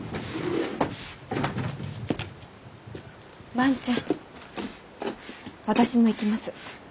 万ちゃん私も行きます。